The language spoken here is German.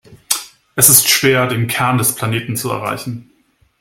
Es ist schwer, den Kern des Planeten zu erreichen.